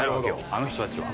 あの人たちは。